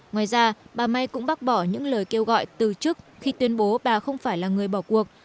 ngoài ra bà may cũng bác bỏ những lời kêu gọi từ chức khi tuyên bố bà không phải là người bỏ cuộc